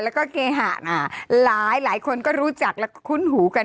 แล้วก็เคหะหลายคนก็รู้จักและคุ้นหูกัน